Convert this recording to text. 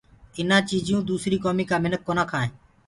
ايٚنآ چيٚجيئونٚ دوسريٚ ڪوميٚ ڪا مِنک ڪونآ کآئينٚ۔